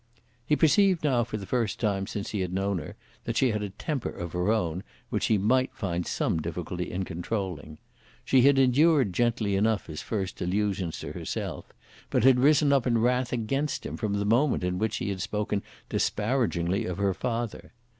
He perceived now, for the first time since he had known her, that she had a temper of her own, which he might find some difficulty in controlling. She had endured gently enough his first allusions to herself, but had risen up in wrath against him from the moment in which he had spoken disparagingly of her father.